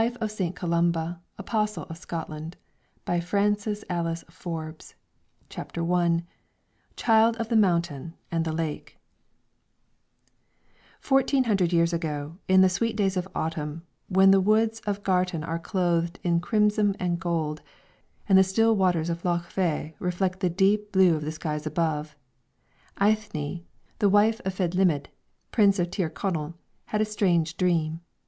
FOR CHRIST AND HIS LOVE X. THE GIFT OF VISION XI. THE LIGHT ETERNAL CHAPTER I CHILD OF THE MOUNTAIN AND THE LAKE FOURTEEN hundred years ago, in the sweet days of autumn, when the woods of Gartan are clothed in crimson and gold, and the still waters of Lough Veagh reflect the deep blue of the skies above, Eithne, the wife of Fedhlimidh, Prince of Tir Connell, had a strange dream.